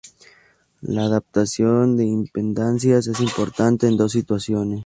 La adaptación de impedancias es importante en dos situaciones.